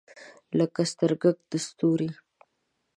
لکه سترګګ د ستوری